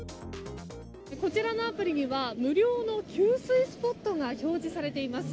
こちらのアプリには無料の給水スポットが表示されています。